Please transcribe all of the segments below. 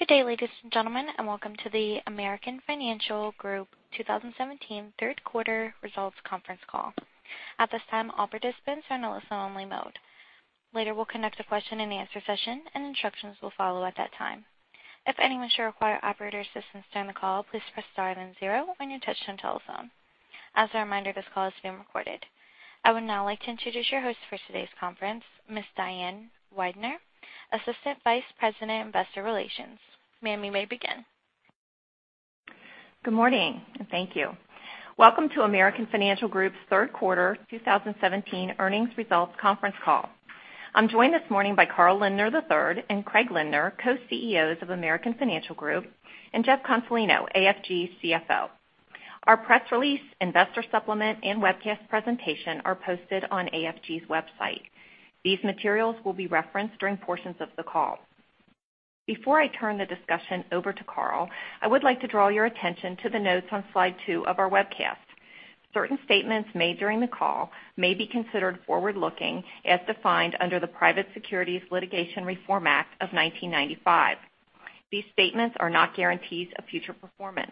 Good day, ladies and gentlemen, and welcome to the American Financial Group 2017 third quarter results conference call. At this time, all participants are in listen only mode. Later, we'll conduct a question and answer session and instructions will follow at that time. If anyone should require operator assistance during the call, please press star then zero on your touchtone telephone. As a reminder, this call is being recorded. I would now like to introduce your host for today's conference, Ms. Diane Weidner, Assistant Vice President, Investor Relations. Ma'am, we may begin. Good morning, and thank you. Welcome to American Financial Group's third quarter 2017 earnings results conference call. I'm joined this morning by Carl Lindner III and Craig Lindner, Co-CEOs of American Financial Group, and Jeff Consolino, AFG's CFO. Our press release, investor supplement, and webcast presentation are posted on AFG's website. These materials will be referenced during portions of the call. Before I turn the discussion over to Carl, I would like to draw your attention to the notes on slide two of our webcast. Certain statements made during the call may be considered forward-looking, as defined under the Private Securities Litigation Reform Act of 1995. These statements are not guarantees of future performance.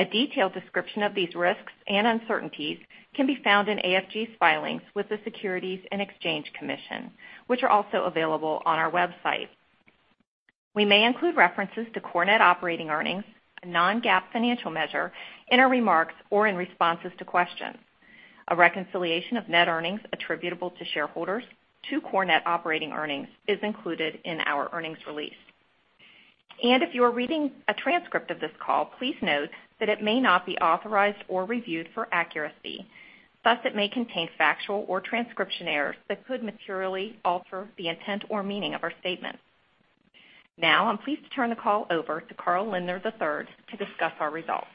A detailed description of these risks and uncertainties can be found in AFG's filings with the Securities and Exchange Commission, which are also available on our website. We may include references to core net operating earnings, a non-GAAP financial measure, in our remarks or in responses to questions. A reconciliation of net earnings attributable to shareholders to core net operating earnings is included in our earnings release. If you are reading a transcript of this call, please note that it may not be authorized or reviewed for accuracy. Thus, it may contain factual or transcription errors that could materially alter the intent or meaning of our statement. Now, I'm pleased to turn the call over to Carl Lindner III to discuss our results.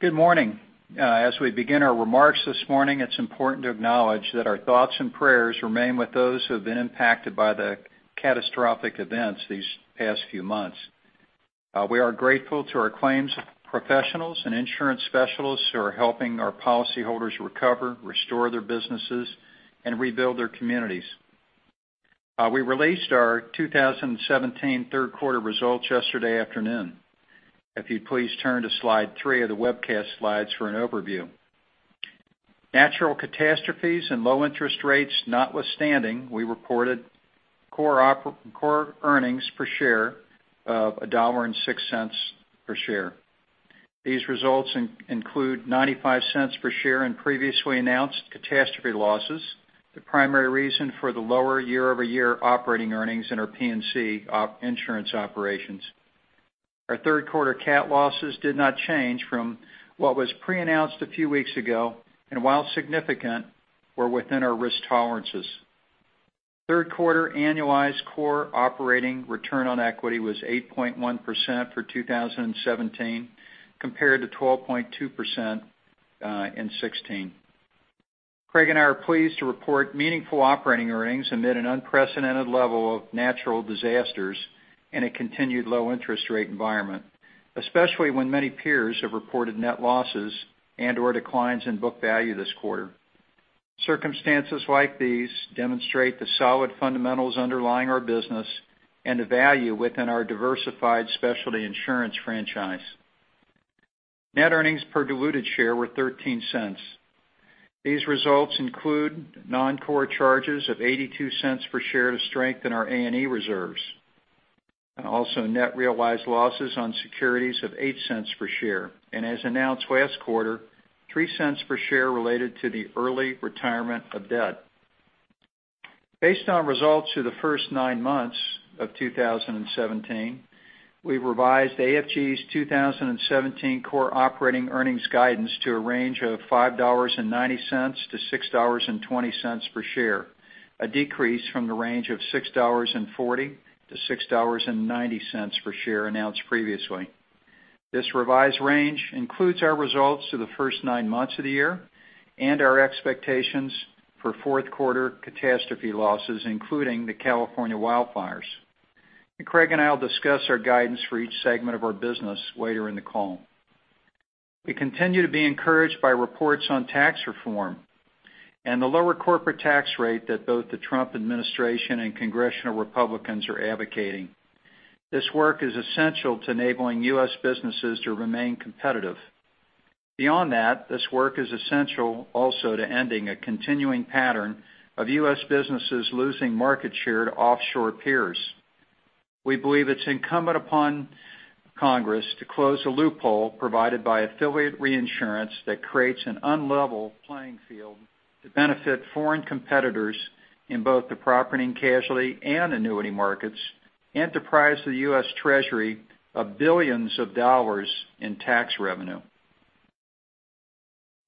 Good morning. As we begin our remarks this morning, it's important to acknowledge that our thoughts and prayers remain with those who have been impacted by the catastrophic events these past few months. We are grateful to our claims professionals and insurance specialists who are helping our policyholders recover, restore their businesses, and rebuild their communities. We released our 2017 third quarter results yesterday afternoon. If you'd please turn to slide three of the webcast slides for an overview. Natural catastrophes and low interest rates notwithstanding, we reported core earnings per share of $1.06 per share. These results include $0.95 per share in previously announced catastrophe losses, the primary reason for the lower year-over-year operating earnings in our P&C insurance operations. Our third quarter cat losses did not change from what was pre-announced a few weeks ago, and while significant, were within our risk tolerances. Third quarter annualized core operating return on equity was 8.1% for 2017, compared to 12.2% in 2016. Craig and I are pleased to report meaningful operating earnings amid an unprecedented level of natural disasters in a continued low interest rate environment, especially when many peers have reported net losses and/or declines in book value this quarter. Circumstances like these demonstrate the solid fundamentals underlying our business and the value within our diversified specialty insurance franchise. Net earnings per diluted share were $0.13. These results include non-core charges of $0.82 per share to strengthen our A&E reserves, also net realized losses on securities of $0.08 per share. As announced last quarter, $0.03 per share related to the early retirement of debt. Based on results through the first nine months of 2017, we revised AFG's 2017 core operating earnings guidance to a range of $5.90 to $6.20 per share, a decrease from the range of $6.40 to $6.90 per share announced previously. This revised range includes our results through the first nine months of the year and our expectations for fourth quarter catastrophe losses, including the California wildfires. Craig and I will discuss our guidance for each segment of our business later in the call. We continue to be encouraged by reports on tax reform and the lower corporate tax rate that both the Trump administration and congressional Republicans are advocating. This work is essential to enabling U.S. businesses to remain competitive. Beyond that, this work is essential also to ending a continuing pattern of U.S. businesses losing market share to offshore peers. We believe it's incumbent upon Congress to close a loophole provided by affiliate reinsurance that creates an unlevel playing field to benefit foreign competitors in both the property and casualty and annuity markets and deprives the U.S. Treasury of billions of dollars in tax revenue.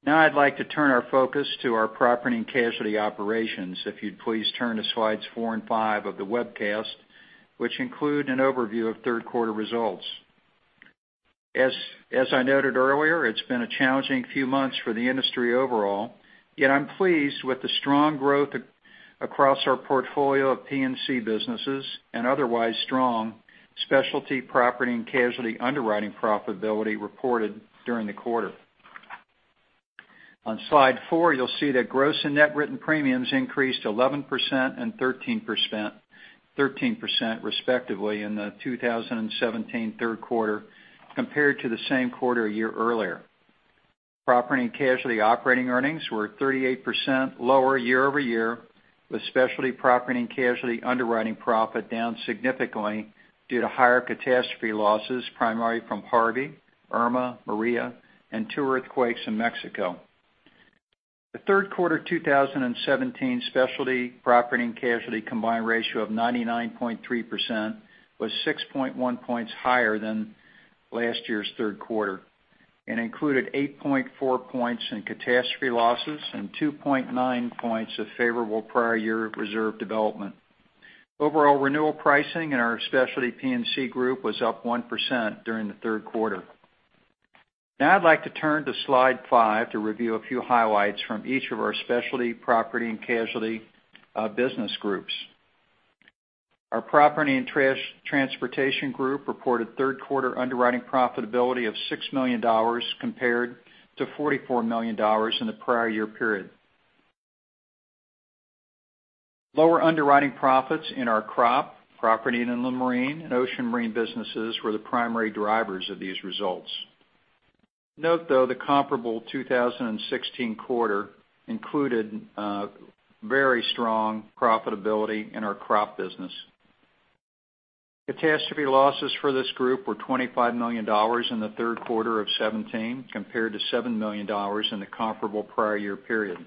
I'd like to turn our focus to our property and casualty operations. If you'd please turn to slides four and five of the webcast, which include an overview of third quarter results. As I noted earlier, it's been a challenging few months for the industry overall, yet I'm pleased with the strong growth across our portfolio of P&C businesses and otherwise strong specialty property and casualty underwriting profitability reported during the quarter. On slide four, you'll see that gross and net written premiums increased 11% and 13%, respectively, in the 2017 third quarter compared to the same quarter a year earlier. Property and casualty operating earnings were 38% lower year-over-year, with specialty property and casualty underwriting profit down significantly due to higher catastrophe losses, primarily from Harvey, Irma, Maria, and two earthquakes in Mexico. The third quarter 2017 specialty property and casualty combined ratio of 99.3% was 6.1 points higher than last year's third quarter, and included 8.4 points in catastrophe losses and 2.9 points of favorable prior year reserve development. Overall renewal pricing in our specialty P&C group was up 1% during the third quarter. I'd like to turn to slide five to review a few highlights from each of our specialty property and casualty business groups. Our property and transportation group reported third quarter underwriting profitability of $6 million compared to $44 million in the prior year period. Lower underwriting profits in our crop, property and marine, and ocean marine businesses were the primary drivers of these results. Note, though, the comparable 2016 quarter included very strong profitability in our crop business. Catastrophe losses for this group were $25 million in the third quarter of 2017, compared to $7 million in the comparable prior year period.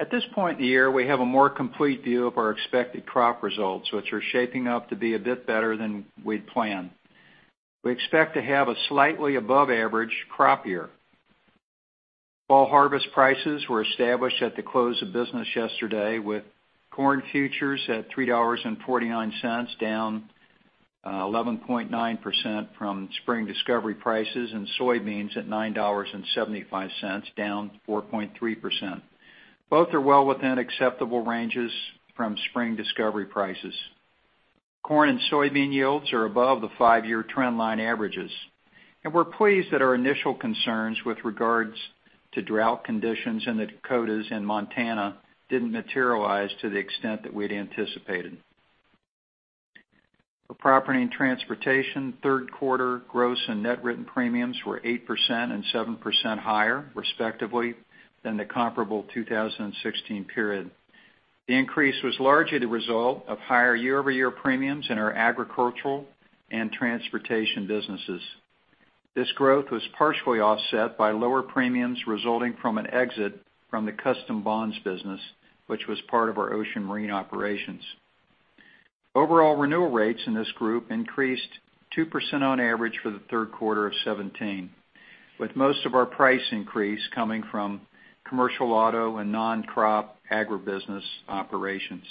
At this point in the year, we have a more complete view of our expected crop results, which are shaping up to be a bit better than we'd planned. We expect to have a slightly above average crop year. Fall harvest prices were established at the close of business yesterday, with corn futures at $3.49, down 11.9% from spring discovery prices, and soybeans at $9.75, down 4.3%. Both are well within acceptable ranges from spring discovery prices. Corn and soybean yields are above the five-year trend line averages, and we're pleased that our initial concerns with regards to drought conditions in the Dakotas and Montana didn't materialize to the extent that we'd anticipated. For property and transportation, third quarter gross and net written premiums were 8% and 7% higher, respectively, than the comparable 2016 period. The increase was largely the result of higher year-over-year premiums in our agricultural and transportation businesses. This growth was partially offset by lower premiums resulting from an exit from the custom bonds business, which was part of our ocean marine operations. Overall renewal rates in this group increased 2% on average for the third quarter of 2017, with most of our price increase coming from commercial auto and non-crop agribusiness operations.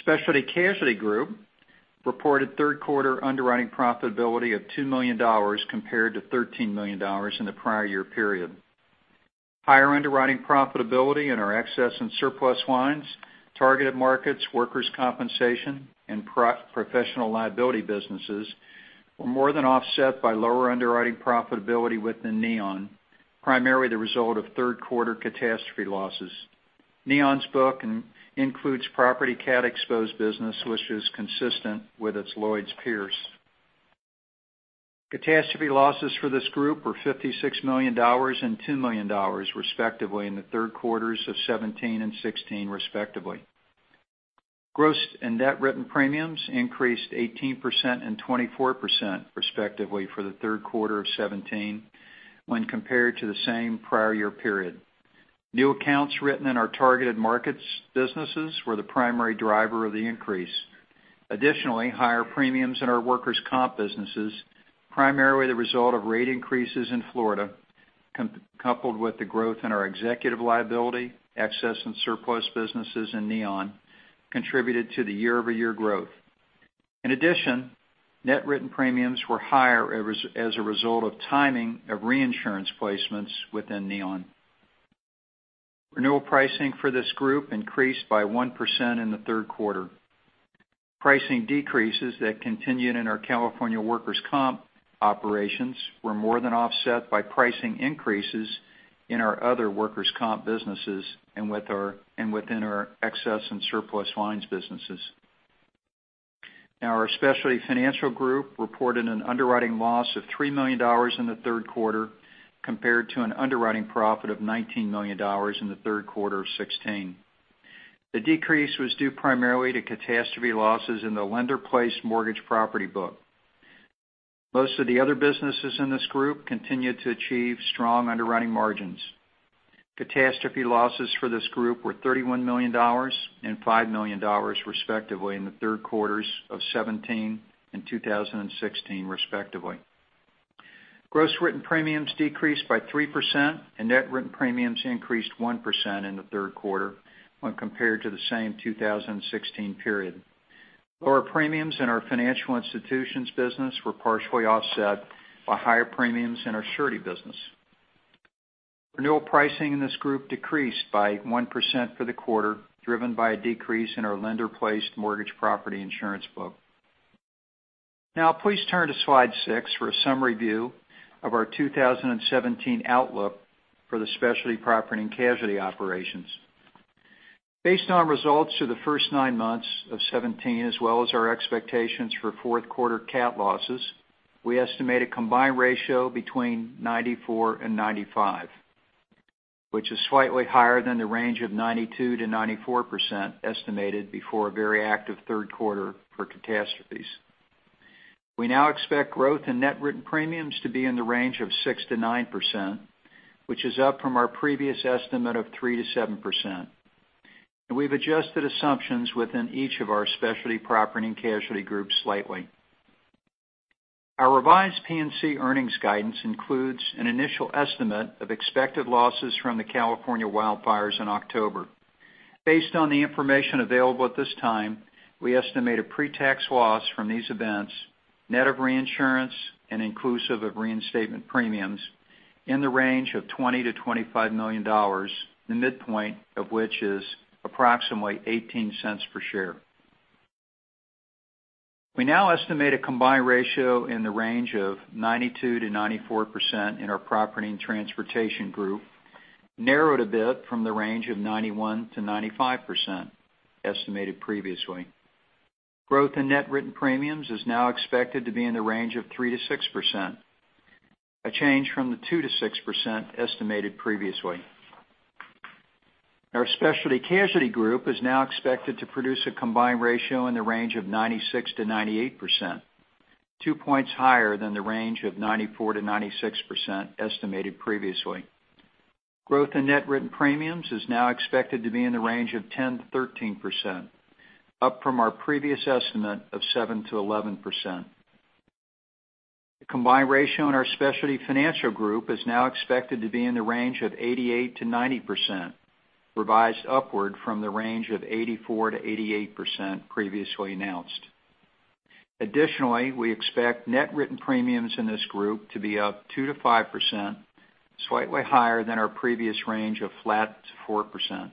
Specialty casualty group reported third quarter underwriting profitability of $2 million compared to $13 million in the prior year period. Higher underwriting profitability in our excess and surplus lines, targeted markets, workers' compensation, and professional liability businesses were more than offset by lower underwriting profitability within Neon, primarily the result of third quarter catastrophe losses. Neon's book includes property cat exposed business, which is consistent with its Lloyd's peers. Catastrophe losses for this group were $56 million and $2 million, respectively, in the third quarters of 2017 and 2016, respectively. Gross and net written premiums increased 18% and 24%, respectively, for the third quarter of 2017 when compared to the same prior year period. New accounts written in our targeted markets businesses were the primary driver of the increase. Additionally, higher premiums in our workers' comp businesses, primarily the result of rate increases in Florida, coupled with the growth in our executive liability, excess and surplus businesses in Neon, contributed to the year-over-year growth. In addition, net written premiums were higher as a result of timing of reinsurance placements within Neon. Renewal pricing for this group increased by 1% in the third quarter. Pricing decreases that continued in our California workers' comp operations were more than offset by pricing increases in our other workers' comp businesses and within our excess and surplus lines businesses. Our specialty financial group reported an underwriting loss of $3 million in the third quarter compared to an underwriting profit of $19 million in the third quarter of 2016. The decrease was due primarily to catastrophe losses in the lender-placed mortgage property book. Most of the other businesses in this group continued to achieve strong underwriting margins. Catastrophe losses for this group were $31 million and $5 million, respectively, in the third quarters of 2017 and 2016, respectively. Gross written premiums decreased by 3%, and net written premiums increased 1% in the third quarter when compared to the same 2016 period. Lower premiums in our financial institutions business were partially offset by higher premiums in our surety business. Renewal pricing in this group decreased by 1% for the quarter, driven by a decrease in our lender-placed mortgage property insurance book. Please turn to slide six for a summary view of our 2017 outlook for the Specialty Property and Casualty operations. Based on results through the first nine months of 2017, as well as our expectations for fourth quarter cat losses, we estimate a combined ratio between 94% and 95%, which is slightly higher than the range of 92% to 94% estimated before a very active third quarter for catastrophes. We now expect growth in net written premiums to be in the range of 6% to 9%, which is up from our previous estimate of 3% to 7%. We've adjusted assumptions within each of our Specialty Property and Casualty groups slightly. Our revised P&C earnings guidance includes an initial estimate of expected losses from the California wildfires in October. Based on the information available at this time, we estimate a pre-tax loss from these events, net of reinsurance and inclusive of reinstatement premiums, in the range of $20 million to $25 million, the midpoint of which is approximately $0.18 per share. We now estimate a combined ratio in the range of 92% to 94% in our Property and Transportation Group, narrowed a bit from the range of 91% to 95% estimated previously. Growth in net written premiums is now expected to be in the range of 3% to 6%, a change from the 2% to 6% estimated previously. Our Specialty Casualty Group is now expected to produce a combined ratio in the range of 96% to 98%, two points higher than the range of 94% to 96% estimated previously. Growth in net written premiums is now expected to be in the range of 10% to 13%, up from our previous estimate of 7% to 11%. The combined ratio in our Specialty Financial Group is now expected to be in the range of 88% to 90%, revised upward from the range of 84% to 88% previously announced. Additionally, we expect net written premiums in this group to be up 2% to 5%, slightly higher than our previous range of flat to 4%.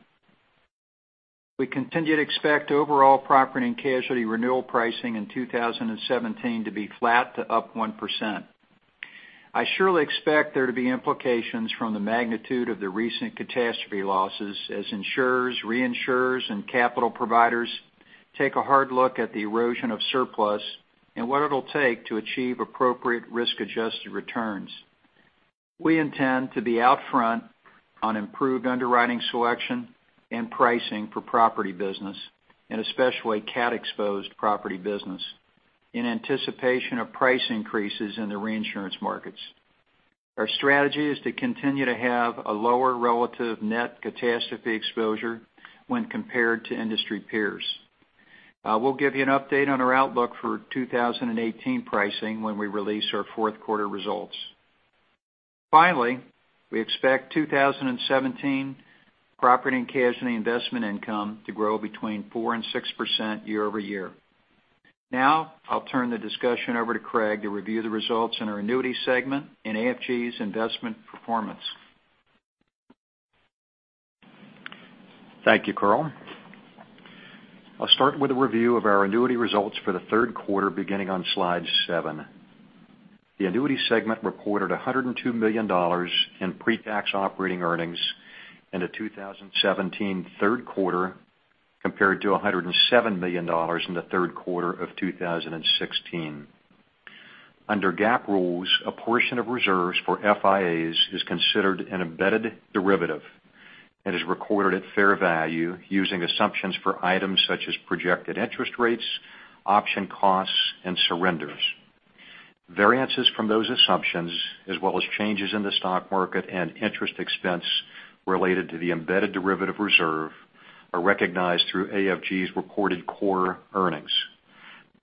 We continue to expect overall property and casualty renewal pricing in 2017 to be flat to up 1%. I surely expect there to be implications from the magnitude of the recent catastrophe losses as insurers, reinsurers, and capital providers take a hard look at the erosion of surplus and what it'll take to achieve appropriate risk-adjusted returns. We intend to be out front on improved underwriting selection and pricing for property business, and especially cat-exposed property business, in anticipation of price increases in the reinsurance markets. Our strategy is to continue to have a lower relative net catastrophe exposure when compared to industry peers. We'll give you an update on our outlook for 2018 pricing when we release our fourth quarter results. Finally, we expect 2017 property and casualty investment income to grow between 4% and 6% year-over-year. Now, I'll turn the discussion over to Craig to review the results in our Annuity segment and AFG's investment performance. Thank you, Carl. I'll start with a review of our Annuity results for the third quarter beginning on slide seven. The Annuity segment reported $102 million in pre-tax operating earnings in the 2017 third quarter, compared to $107 million in the third quarter of 2016. Under GAAP rules, a portion of reserves for FIAs is considered an embedded derivative and is recorded at fair value using assumptions for items such as projected interest rates, option costs, and surrenders. Variances from those assumptions, as well as changes in the stock market and interest expense related to the embedded derivative reserve, are recognized through AFG's reported core earnings.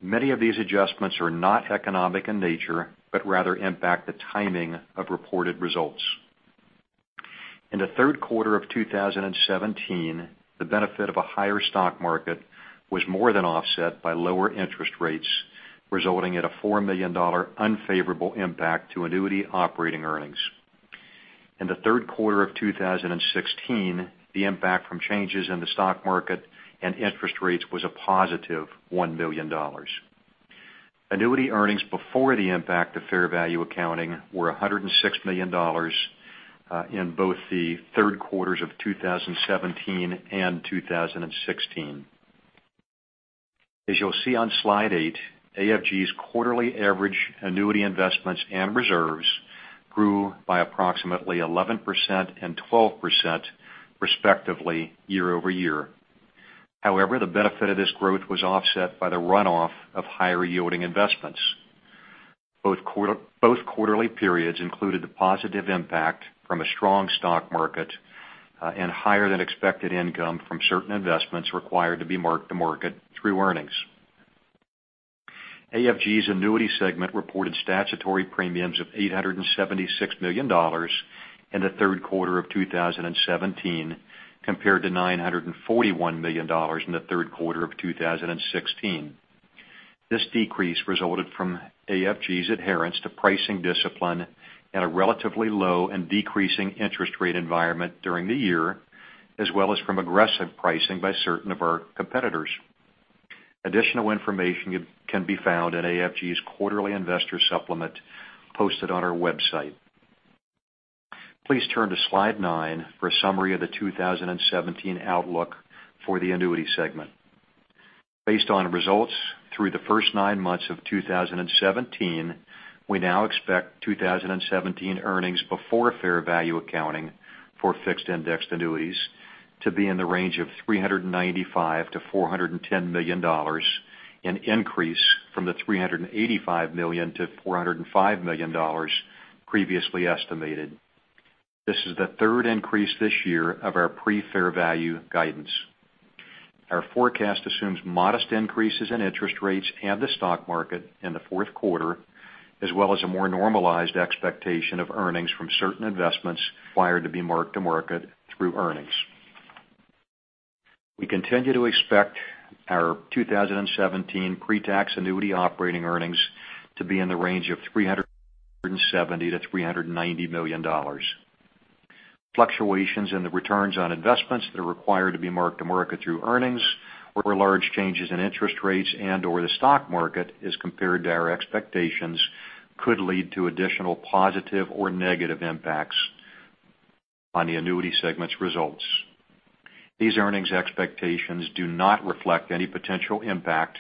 Many of these adjustments are not economic in nature, but rather impact the timing of reported results. In the third quarter of 2017, the benefit of a higher stock market was more than offset by lower interest rates, resulting in a $4 million unfavorable impact to annuity operating earnings. In the third quarter of 2016, the impact from changes in the stock market and interest rates was a positive $1 million. Annuity earnings before the impact of fair value accounting were $106 million in both the third quarters of 2017 and 2016. As you'll see on slide eight, AFG's quarterly average annuity investments and reserves grew by approximately 11% and 12% respectively year-over-year. The benefit of this growth was offset by the runoff of higher-yielding investments. Both quarterly periods included a positive impact from a strong stock market and higher than expected income from certain investments required to be marked to market through earnings. AFG's Annuity segment reported statutory premiums of $876 million in the third quarter of 2017, compared to $941 million in the third quarter of 2016. This decrease resulted from AFG's adherence to pricing discipline at a relatively low and decreasing interest rate environment during the year, as well as from aggressive pricing by certain of our competitors. Additional information can be found in AFG's quarterly investor supplement posted on our website. Please turn to slide nine for a summary of the 2017 outlook for the Annuity segment. Based on results through the first nine months of 2017, we now expect 2017 earnings before fair value accounting for Fixed Indexed Annuities to be in the range of $395 million to $410 million, an increase from the $385 million to $405 million previously estimated. This is the third increase this year of our pre-fair value guidance. Our forecast assumes modest increases in interest rates and the stock market in the fourth quarter, as well as a more normalized expectation of earnings from certain investments required to be marked to market through earnings. We continue to expect our 2017 pre-tax annuity operating earnings to be in the range of $370 million-$390 million. Fluctuations in the returns on investments that are required to be marked to market through earnings or large changes in interest rates and/or the stock market as compared to our expectations could lead to additional positive or negative impacts on the annuity segment's results. These earnings expectations do not reflect any potential impact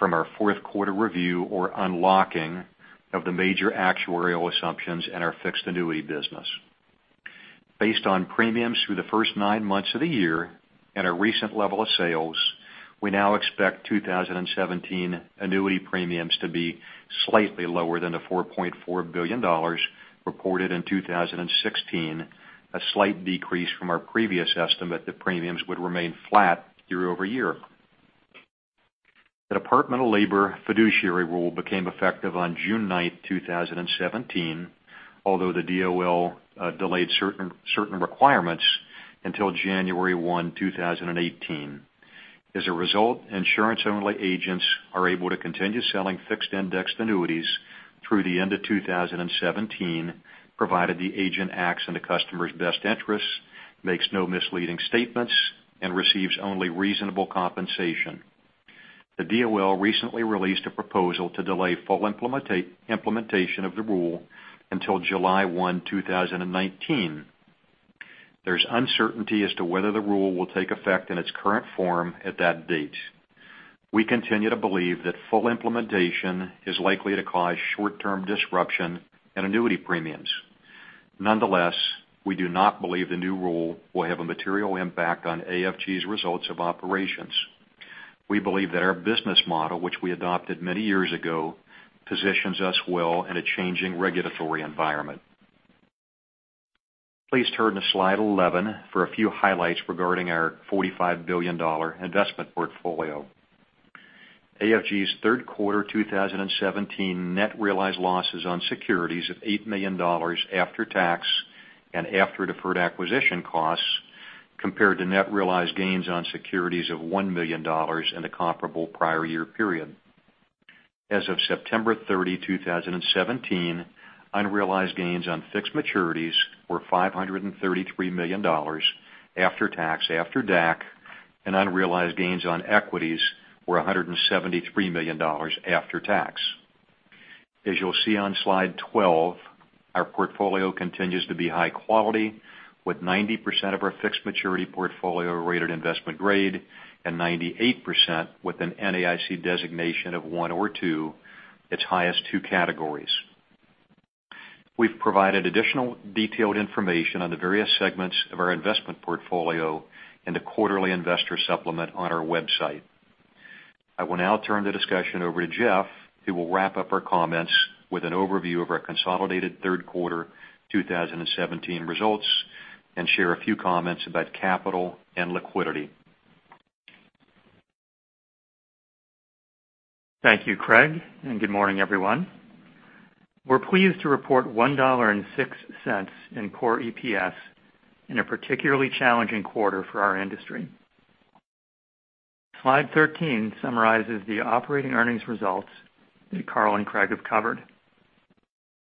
from our fourth-quarter review or unlocking of the major actuarial assumptions in our fixed annuity business. Based on premiums through the first nine months of the year and our recent level of sales, we now expect 2017 annuity premiums to be slightly lower than the $4.4 billion reported in 2016, a slight decrease from our previous estimate that premiums would remain flat year-over-year. The U.S. Department of Labor Fiduciary Rule became effective on June 9, 2017, although the DOL delayed certain requirements until January 1, 2018. As a result, insurance-only agents are able to continue selling Fixed Indexed Annuities through the end of 2017, provided the agent acts in the customer's best interests, makes no misleading statements, and receives only reasonable compensation. The DOL recently released a proposal to delay full implementation of the rule until July 1, 2019. There's uncertainty as to whether the rule will take effect in its current form at that date. We continue to believe that full implementation is likely to cause short-term disruption in annuity premiums. Nonetheless, we do not believe the new rule will have a material impact on AFG's results of operations. We believe that our business model, which we adopted many years ago, positions us well in a changing regulatory environment. Please turn to slide 11 for a few highlights regarding our $45 billion investment portfolio. AFG's third quarter 2017 net realized losses on securities of $8 million after tax and after deferred acquisition costs, compared to net realized gains on securities of $1 million in the comparable prior year period. As of September 30, 2017, unrealized gains on fixed maturities were $533 million after tax, after DAC, and unrealized gains on equities were $173 million after tax. As you'll see on slide 12, our portfolio continues to be high quality, with 90% of our fixed maturity portfolio rated investment-grade and 98% with an NAIC designation of 1 or 2, its highest two categories. We've provided additional detailed information on the various segments of our investment portfolio in the quarterly investor supplement on our website. I will now turn the discussion over to Jeff, who will wrap up our comments with an overview of our consolidated third quarter 2017 results and share a few comments about capital and liquidity. Thank you, Craig, and good morning, everyone. We are pleased to report $1.06 in core EPS in a particularly challenging quarter for our industry. Slide 13 summarizes the operating earnings results that Carl and Craig have covered.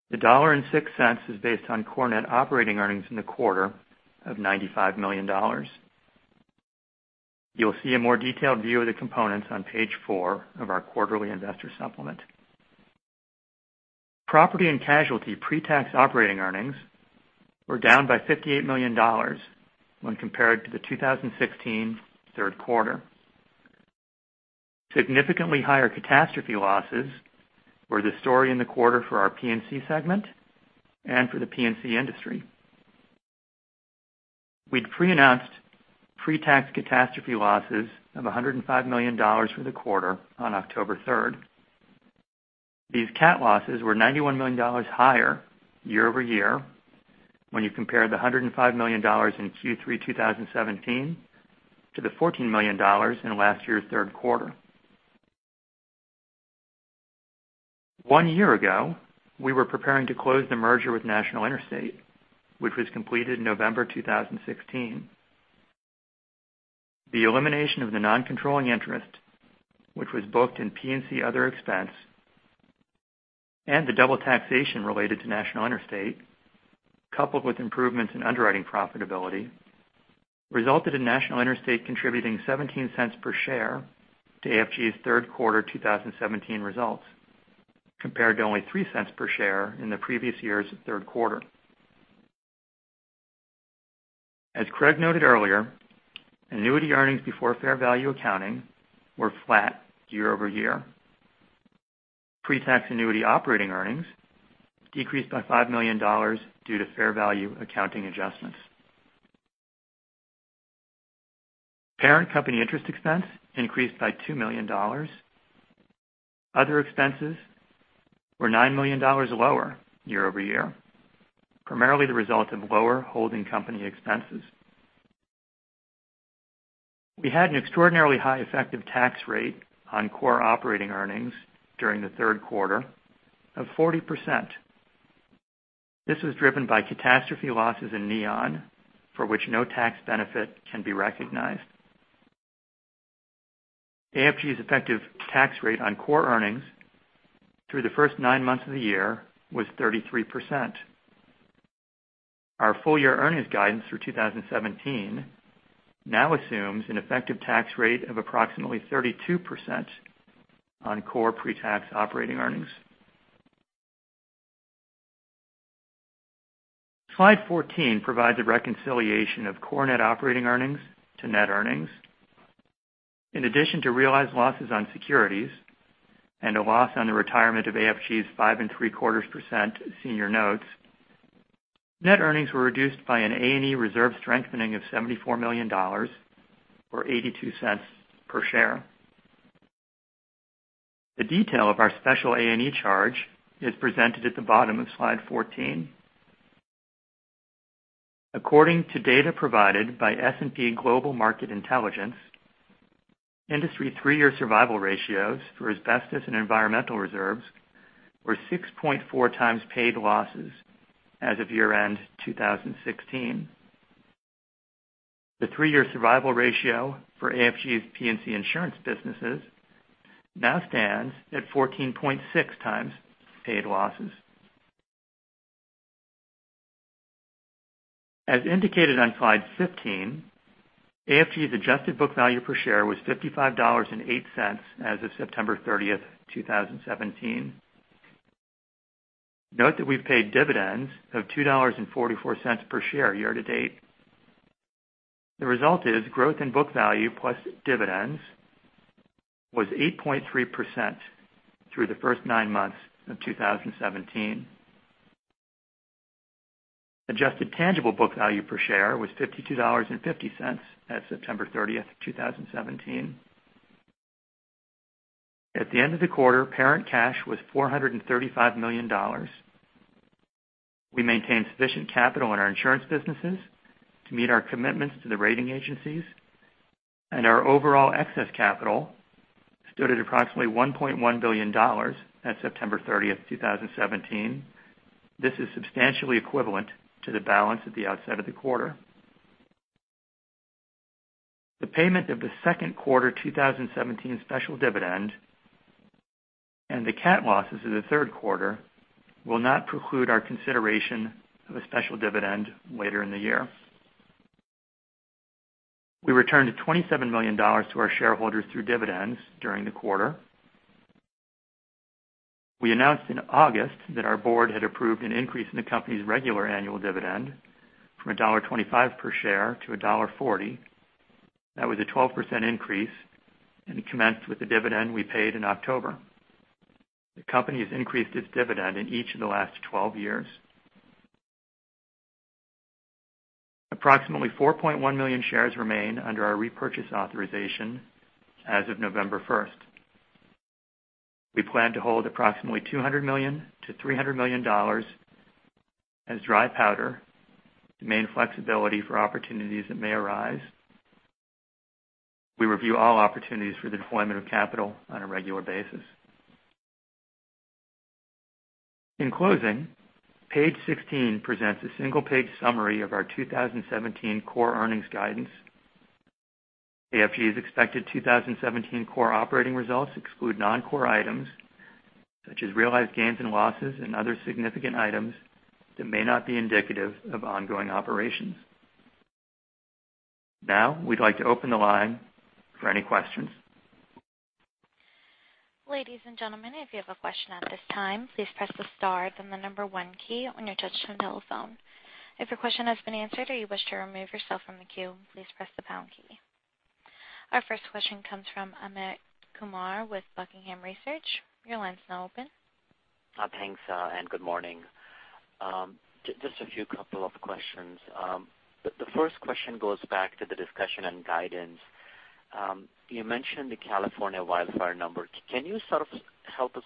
The $1.06 is based on core net operating earnings in the quarter of $95 million. You will see a more detailed view of the components on page four of our quarterly investor supplement. Property and casualty pre-tax operating earnings were down by $58 million when compared to the 2016 third quarter. Significantly higher catastrophe losses were the story in the quarter for our P&C segment and for the P&C industry. We had pre-announced pre-tax catastrophe losses of $105 million for the quarter on October 3rd. These cat losses were $91 million higher year-over-year when you compare the $105 million in Q3 2017 to the $14 million in last year's third quarter. One year ago, we were preparing to close the merger with National Interstate, which was completed in November 2016. The elimination of the non-controlling interest, which was booked in P&C other expense, and the double taxation related to National Interstate, coupled with improvements in underwriting profitability, resulted in National Interstate contributing $0.17 per share to AFG's third quarter 2017 results. Compared to only $0.03 per share in the previous year's third quarter. As Craig noted earlier, annuity earnings before fair value accounting were flat year-over-year. Pre-tax annuity operating earnings decreased by $5 million due to fair value accounting adjustments. Parent company interest expense increased by $2 million. Other expenses were $9 million lower year-over-year, primarily the result of lower holding company expenses. We had an extraordinarily high effective tax rate on core operating earnings during the third quarter of 40%. This was driven by catastrophe losses in Neon, for which no tax benefit can be recognized. AFG's effective tax rate on core earnings through the first nine months of the year was 33%. Our full year earnings guidance through 2017 now assumes an effective tax rate of approximately 32% on core pre-tax operating earnings. Slide 14 provides a reconciliation of core net operating earnings to net earnings. In addition to realized losses on securities and a loss on the retirement of AFG's 5.75% senior notes, net earnings were reduced by an A&E reserve strengthening of $74 million, or $0.82 per share. The detail of our special A&E charge is presented at the bottom of slide 14. According to data provided by S&P Global Market Intelligence, industry three-year survival ratios for asbestos and environmental reserves were 6.4 times paid losses as of year-end 2016. The three-year survival ratio for AFG's P&C insurance businesses now stands at 14.6 times paid losses. As indicated on slide 15, AFG's adjusted book value per share was $55.08 as of September 30th, 2017. Note that we have paid dividends of $2.44 per share year-to-date. The result is growth in book value, plus dividends was 8.3% through the first nine months of 2017. Adjusted tangible book value per share was $52.50 at September 30th, 2017. At the end of the quarter, parent cash was $435 million. We maintained sufficient capital in our insurance businesses to meet our commitments to the rating agencies, and our overall excess capital stood at approximately $1.1 billion at September 30th, 2017. This is substantially equivalent to the balance at the outset of the quarter. The payment of the second quarter 2017 special dividend and the cat losses of the third quarter will not preclude our consideration of a special dividend later in the year. We returned $27 million to our shareholders through dividends during the quarter. We announced in August that our board had approved an increase in the company's regular annual dividend from $1.25 per share to $1.40. That was a 12% increase, and it commenced with the dividend we paid in October. The company has increased its dividend in each of the last 12 years. Approximately 4.1 million shares remain under our repurchase authorization as of November 1st. We plan to hold approximately $200 million-$300 million as dry powder to maintain flexibility for opportunities that may arise. We review all opportunities for the deployment of capital on a regular basis. In closing, page 16 presents a single-page summary of our 2017 core earnings guidance. AFG's expected 2017 core operating results exclude non-core items such as realized gains and losses and other significant items that may not be indicative of ongoing operations. We'd like to open the line for any questions. Ladies and gentlemen, if you have a question at this time, please press the star then the number one key on your touchtone telephone. If your question has been answered, or you wish to remove yourself from the queue, please press the pound key. Our first question comes from Amit Kumar with Buckingham Research. Your line's now open. Thanks, good morning. Just a few couple of questions. The first question goes back to the discussion on guidance. You mentioned the California wildfire number. Can you sort of help us,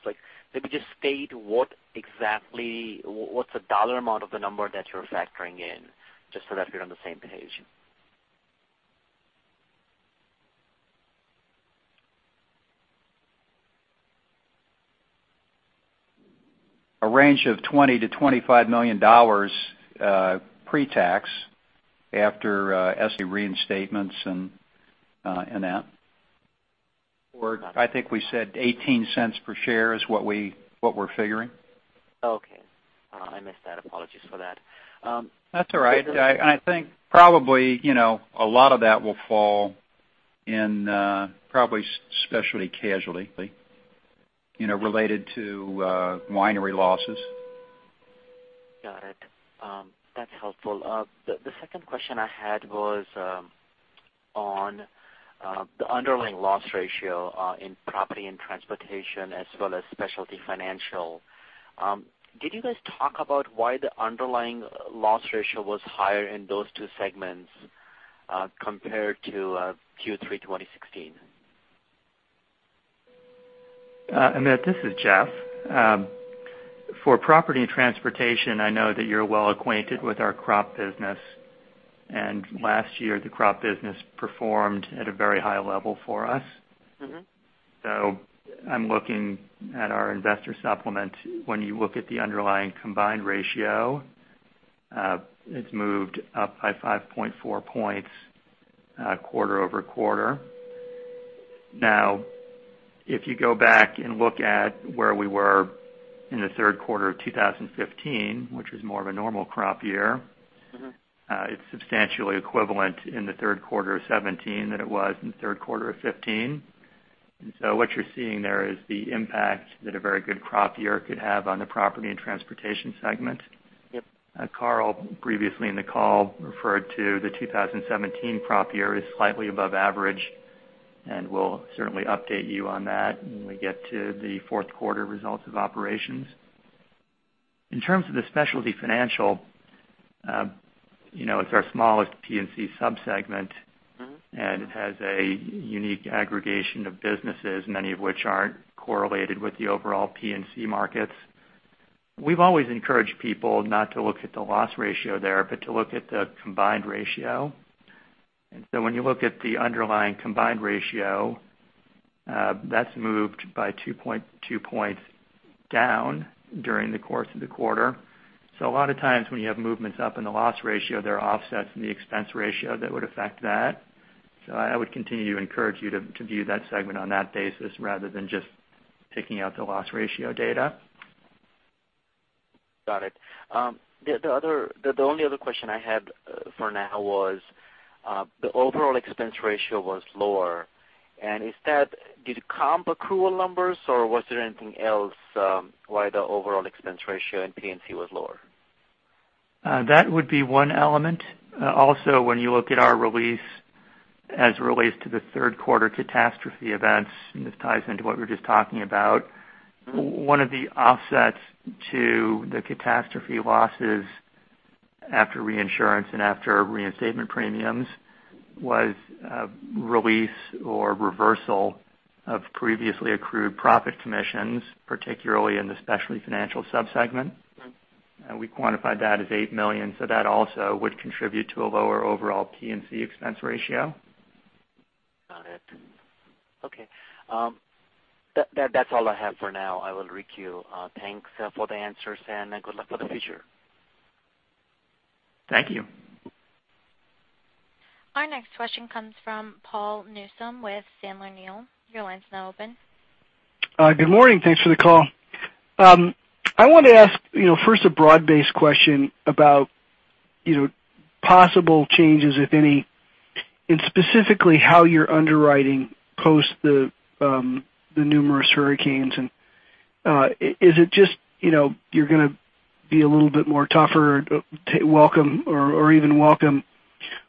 maybe just state what's the dollar amount of the number that you're factoring in, just so that we're on the same page? A range of $20 million to $25 million pre-tax after SE reinstatements and that. I think we said $0.18 per share is what we're figuring. Okay. I missed that. Apologies for that. That's all right. I think probably, a lot of that will fall in probably specialty casualty related to winery losses. Got it. That's helpful. The second question I had was on the underlying loss ratio in property and transportation as well as specialty financial. Did you guys talk about why the underlying loss ratio was higher in those two segments compared to Q3 2016? Amit, this is Jeff. For Property and Transportation, I know that you're well acquainted with our crop business. Last year the crop business performed at a very high level for us. I'm looking at our investor supplement. When you look at the underlying combined ratio, it's moved up by 5.4 points quarter-over-quarter. If you go back and look at where we were in the third quarter of 2015, which was more of a normal crop year. It's substantially equivalent in the third quarter of 2017 than it was in the third quarter of 2015. What you're seeing there is the impact that a very good crop year could have on the Property and Transportation segment. Yep. Carl previously in the call referred to the 2017 crop year as slightly above average. We'll certainly update you on that when we get to the fourth quarter results of operations. In terms of the Specialty Financial, it's our smallest P&C sub-segment. It has a unique aggregation of businesses, many of which aren't correlated with the overall P&C markets. We've always encouraged people not to look at the loss ratio there, but to look at the combined ratio. When you look at the underlying combined ratio, that's moved by 2.2 points down during the course of the quarter. A lot of times when you have movements up in the loss ratio, there are offsets in the expense ratio that would affect that. I would continue to encourage you to view that segment on that basis rather than just taking out the loss ratio data. Got it. The only other question I had for now was, the overall expense ratio was lower. Is that due to comp accrual numbers, or was there anything else why the overall expense ratio in P&C was lower? That would be one element. When you look at our release as it relates to the third quarter catastrophe events, this ties into what we were just talking about, one of the offsets to the catastrophe losses after reinsurance and after reinstatement premiums was release or reversal of previously accrued profit commissions, particularly in the specialty financial sub-segment. Okay. We quantified that as $8 million. That also would contribute to a lower overall P&C expense ratio. Got it. Okay. That's all I have for now. I will re-queue. Thanks for the answers and good luck for the future. Thank you. Our next question comes from Paul Newsome with Sandler O'Neill. Your line's now open. Good morning. Thanks for the call. I wanted to ask first a broad-based question about possible changes, if any, in specifically how you're underwriting post the numerous hurricanes. Is it just you're going to be a little bit more tougher or even welcome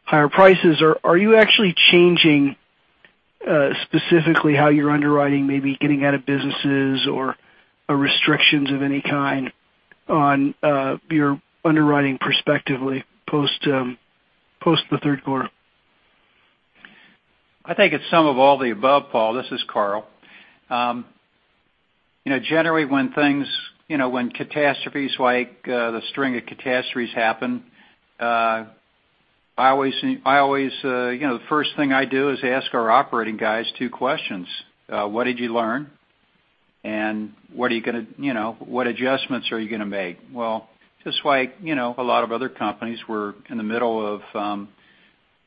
higher prices? Are you actually changing specifically how you're underwriting, maybe getting out of businesses or restrictions of any kind on your underwriting perspectively post the third quarter? I think it's some of all the above, Paul. This is Carl. Generally when catastrophes like the string of catastrophes happen, the first thing I do is ask our operating guys two questions. What did you learn? What adjustments are you going to make? Just like a lot of other companies, we're in the middle of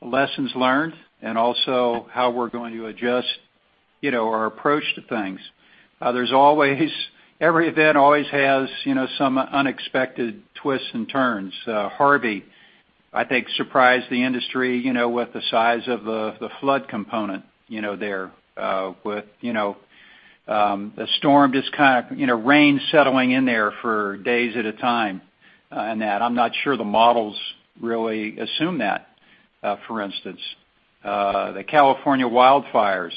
lessons learned and also how we're going to adjust our approach to things. Every event always has some unexpected twists and turns. Harvey, I think, surprised the industry with the size of the flood component there. With the storm, just rain settling in there for days at a time and that. I'm not sure the models really assume that, for instance. The California wildfires,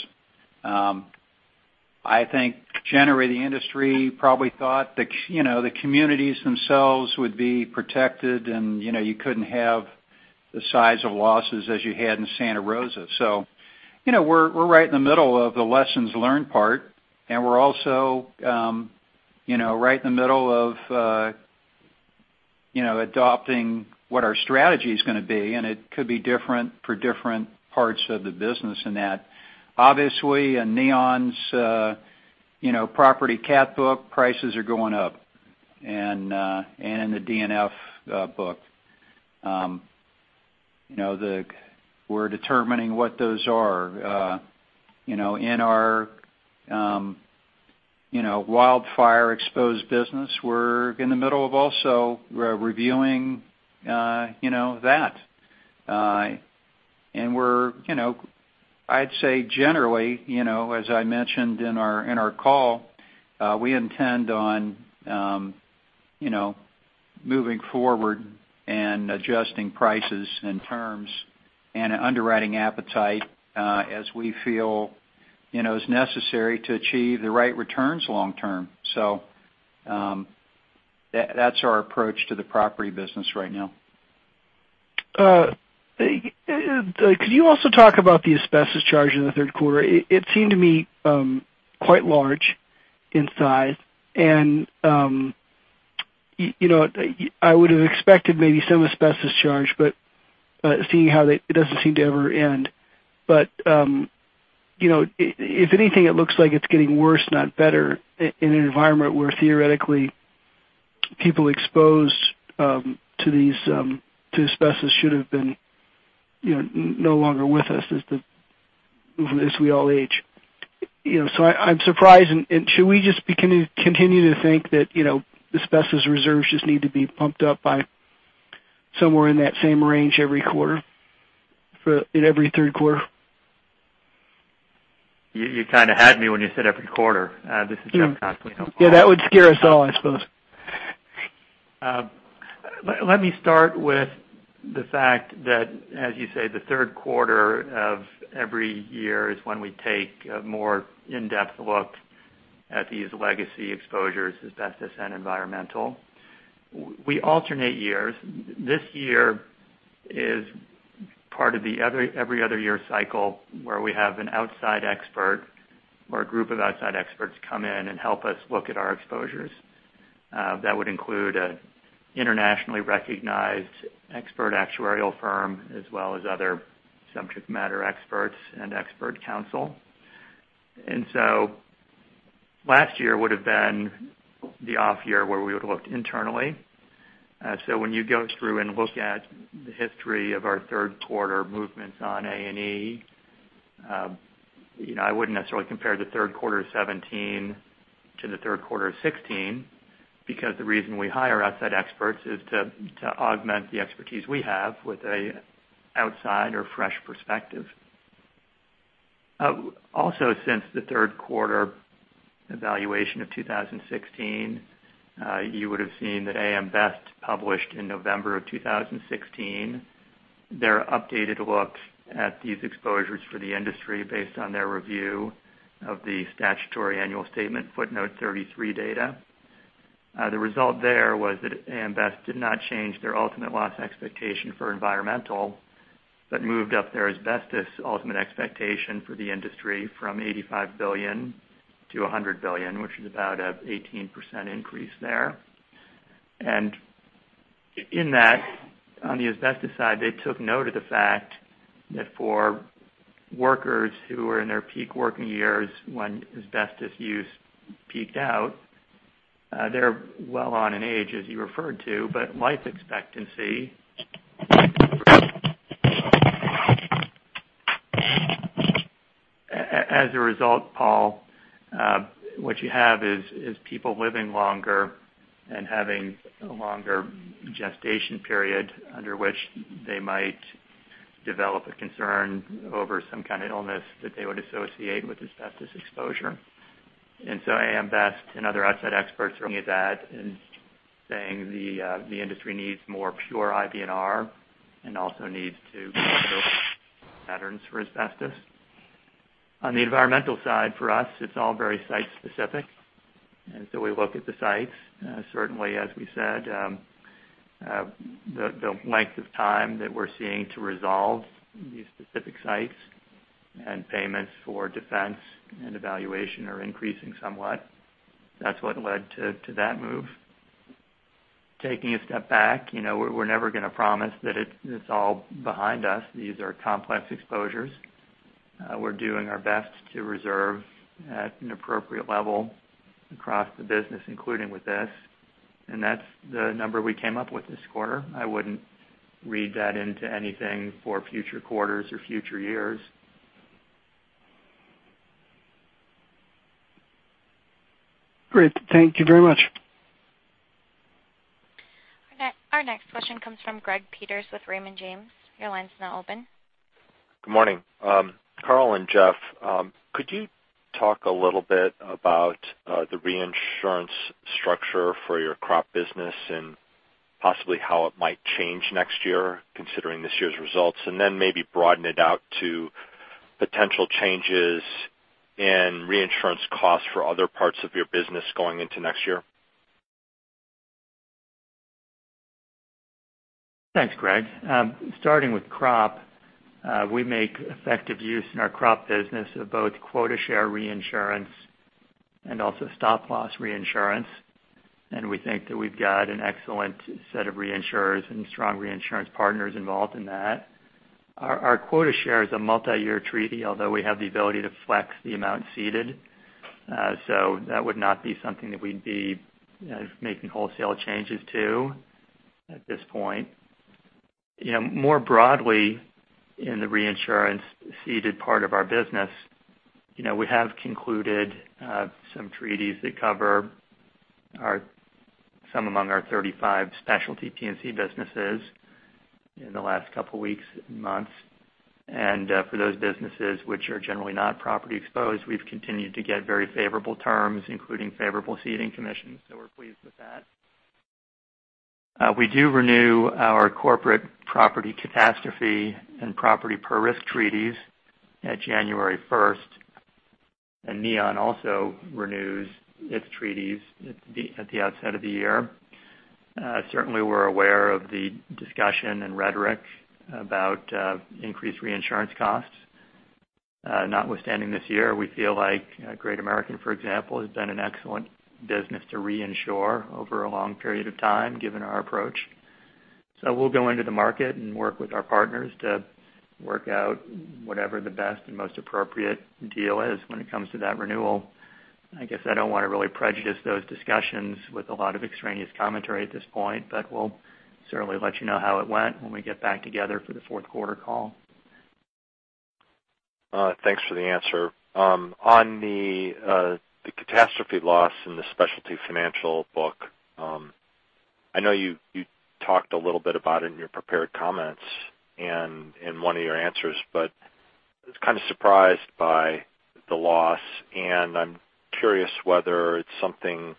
I think generally the industry probably thought the communities themselves would be protected, and you couldn't have the size of losses as you had in Santa Rosa. We're right in the middle of the lessons learned part, and we're also right in the middle of adopting what our strategy's going to be, and it could be different for different parts of the business in that. Obviously, in Neon's property cat book, prices are going up, and in the D&F book. We're determining what those are. In our wildfire exposed business, we're in the middle of also reviewing that. I'd say generally, as I mentioned in our call, we intend on moving forward and adjusting prices and terms and underwriting appetite as we feel is necessary to achieve the right returns long term. That's our approach to the property business right now. Could you also talk about the asbestos charge in the third quarter? It seemed to me quite large in size, and I would've expected maybe some asbestos charge, but seeing how it doesn't seem to ever end. If anything, it looks like it's getting worse, not better in an environment where theoretically people exposed to asbestos should have been no longer with us as we all age. I'm surprised. Should we just continue to think that asbestos reserves just need to be pumped up by somewhere in that same range every quarter, in every third quarter? You kind of had me when you said every quarter. This is Jeff Consolino, Paul. Yeah, that would scare us all, I suppose. Let me start with the fact that, as you say, the third quarter of every year is when we take a more in-depth look at these legacy exposures, asbestos and environmental. We alternate years. This year is part of the every other year cycle where we have an outside expert or a group of outside experts come in and help us look at our exposures. That would include an internationally recognized expert actuarial firm, as well as other subject matter experts and expert counsel. Last year would've been the off year where we would've looked internally. When you go through and look at the history of our third quarter movements on A&E, I wouldn't necessarily compare the third quarter of 2017 to the third quarter of 2016 because the reason we hire outside experts is to augment the expertise we have with a outside or fresh perspective. Also, since the third quarter evaluation of 2016, you would've seen that AM Best published in November of 2016 their updated look at these exposures for the industry based on their review of the statutory annual statement, footnote 33 data. The result there was that AM Best did not change their ultimate loss expectation for environmental, but moved up their asbestos ultimate expectation for the industry from $85 billion to $100 billion, which is about a 18% increase there. In that, on the asbestos side, they took note of the fact that for workers who were in their peak working years when asbestos use peaked out, they're well on in age, as you referred to, but life expectancy. As a result, Paul, what you have is people living longer and having a longer gestation period under which they might develop a concern over some kind of illness that they would associate with asbestos exposure. AM Best and other outside experts are looking at that and saying the industry needs more pure IBNR and also needs to look at patterns for asbestos. On the environmental side, for us, it's all very site specific, and so we look at the sites. Certainly, as we said, the length of time that we're seeing to resolve these specific sites and payments for defense and evaluation are increasing somewhat. That's what led to that move. Taking a step back, we're never going to promise that it's all behind us. These are complex exposures. We're doing our best to reserve at an appropriate level across the business, including with this, and that's the number we came up with this quarter. I wouldn't read that into anything for future quarters or future years. Great. Thank you very much. Our next question comes from Greg Peters with Raymond James. Your line's now open. Good morning. Carl and Jeff, could you talk a little bit about the reinsurance structure for your crop business and possibly how it might change next year considering this year's results? Maybe broaden it out to potential changes in reinsurance costs for other parts of your business going into next year. Thanks, Greg. Starting with crop, we make effective use in our crop business of both quota share reinsurance and also stop loss reinsurance, and we think that we've got an excellent set of reinsurers and strong reinsurance partners involved in that. Our quota share is a multi-year treaty, although we have the ability to flex the amount ceded. That would not be something that we'd be making wholesale changes to at this point. More broadly, in the reinsurance ceded part of our business, we have concluded some treaties that cover some among our 35 specialty P&C businesses in the last couple weeks and months. For those businesses which are generally not property exposed, we've continued to get very favorable terms, including favorable ceding commissions, so we're pleased with that. We do renew our corporate property catastrophe and property per-risk treaties at January 1st, and Neon also renews its treaties at the outset of the year. Certainly, we're aware of the discussion and rhetoric about increased reinsurance costs. Notwithstanding this year, we feel like Great American, for example, has been an excellent business to reinsure over a long period of time, given our approach. We'll go into the market and work with our partners to work out whatever the best and most appropriate deal is when it comes to that renewal. I guess I don't want to really prejudice those discussions with a lot of extraneous commentary at this point, but we'll certainly let you know how it went when we get back together for the fourth quarter call. Thanks for the answer. On the catastrophe loss in the specialty financial book, I know you talked a little bit about it in your prepared comments and in one of your answers. I was kind of surprised by the loss, and I'm curious whether it's something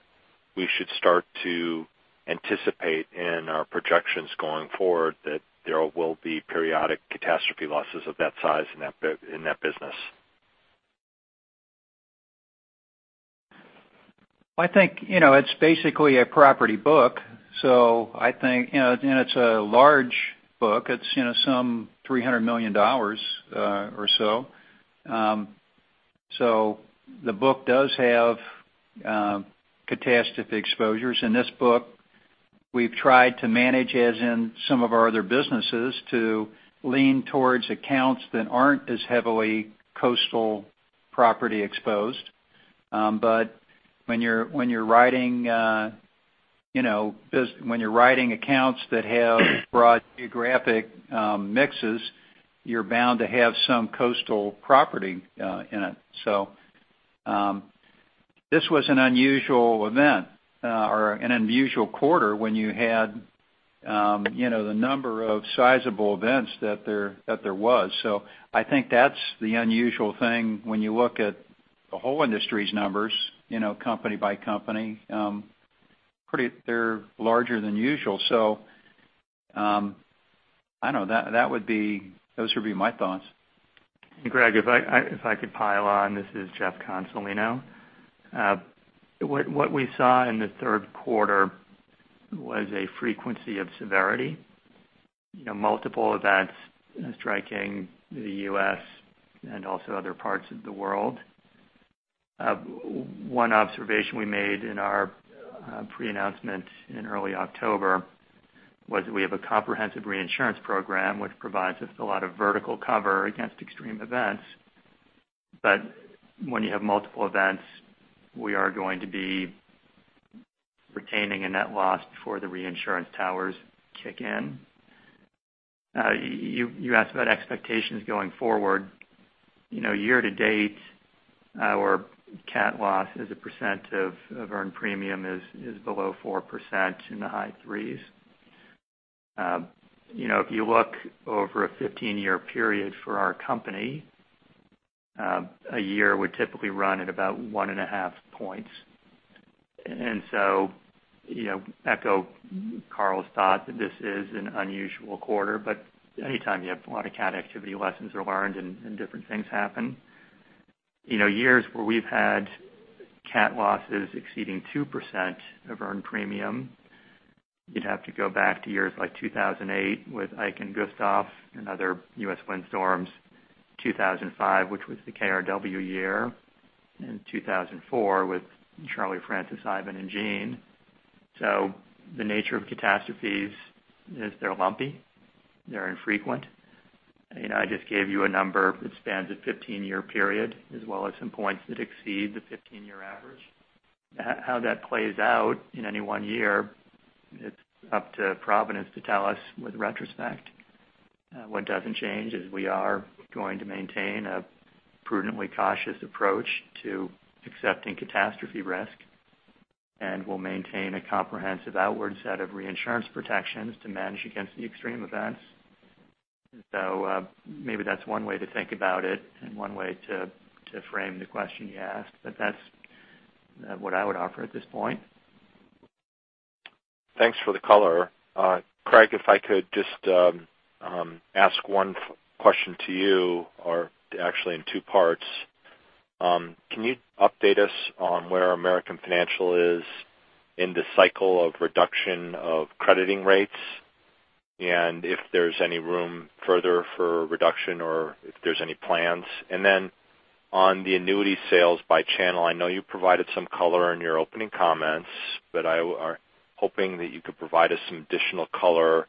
we should start to anticipate in our projections going forward, that there will be periodic catastrophe losses of that size in that business. I think it's basically a property book. It's a large book. It's some $300 million or so. The book does have catastrophic exposures. In this book, we've tried to manage, as in some of our other businesses, to lean towards accounts that aren't as heavily coastal property exposed. When you're writing accounts that have broad geographic mixes, you're bound to have some coastal property in it. This was an unusual event or an unusual quarter when you had the number of sizable events that there was. I think that's the unusual thing when you look at the whole industry's numbers, company by company. They're larger than usual. Those would be my thoughts. Greg, if I could pile on. This is Jeff Consolino. What we saw in the third quarter was a frequency of severity. Multiple events striking the U.S. and also other parts of the world. One observation we made in our pre-announcement in early October was that we have a comprehensive reinsurance program which provides us a lot of vertical cover against extreme events. When you have multiple events, we are going to be retaining a net loss before the reinsurance towers kick in. You asked about expectations going forward. Year to date, our cat loss as a percent of earned premium is below 4%, in the high threes. If you look over a 15-year period for our company, a year would typically run at about one and a half points. Echo Carl's thought that this is an unusual quarter, anytime you have a lot of cat activity, lessons are learned, and different things happen. Years where we've had cat losses exceeding 2% of earned premium, you'd have to go back to years like 2008 with Ike and Gustav and other U.S. windstorms, 2005, which was the KRW year, and 2004 with Charley, Frances, Ivan, and Jeanne. The nature of catastrophes is they're lumpy, they're infrequent. I just gave you a number that spans a 15-year period as well as some points that exceed the 15-year average. How that plays out in any one year, it's up to providence to tell us with retrospect. What doesn't change is we are going to maintain a prudently cautious approach to accepting catastrophe risk, and we'll maintain a comprehensive outward set of reinsurance protections to manage against the extreme events. Maybe that's one way to think about it and one way to frame the question you asked, that's what I would offer at this point. Thanks for the color. Craig, if I could just ask one question to you, or actually in two parts. Can you update us on where American Financial is in the cycle of reduction of crediting rates and if there's any room further for reduction or if there's any plans? On the annuity sales by channel, I know you provided some color in your opening comments, I are hoping that you could provide us some additional color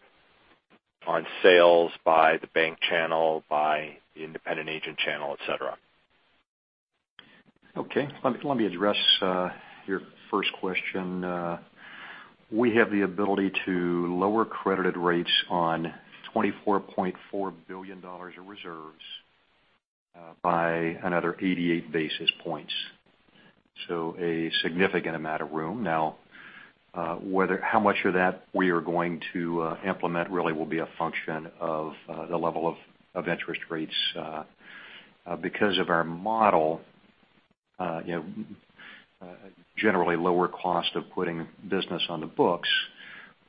on sales by the bank channel, by the independent agent channel, et cetera. Okay. Let me address your first question. We have the ability to lower credited rates on $24.4 billion of reserves by another 88 basis points. A significant amount of room. Now, how much of that we are going to implement really will be a function of the level of interest rates. Because of our model, generally lower cost of putting business on the books,